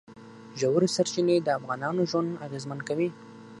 ژورې سرچینې د افغانانو ژوند اغېزمن کوي.